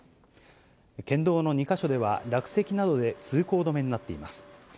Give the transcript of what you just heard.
県道の２か所では、落石などで通行止めになっています。